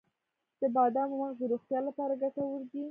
د بادامو مغز د روغتیا لپاره ګټور دی.